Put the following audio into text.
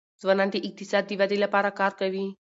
ځوانان د اقتصاد د ودي لپاره کار کوي.